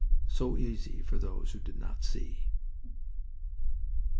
So easy for those who did not see!